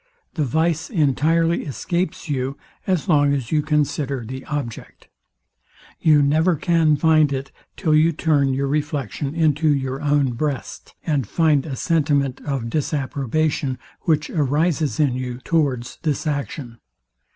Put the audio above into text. The vice entirely escapes you, as long as you consider the object. You never can find it, till you turn your reflection into your own breast, and find a sentiment of disapprobation, which arises in you, towards this action.